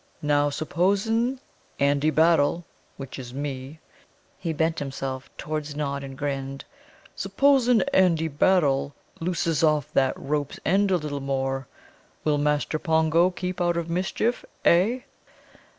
"Now, s'posin' Andy Battle, which is me" he bent himself towards Nod and grinned "s'posin' Andy Battle looses off that rope's end a little more, will Master Pongo keep out of mischief, eh?"